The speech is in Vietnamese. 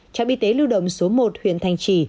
trạm y tế lưu động số một huyện thành trì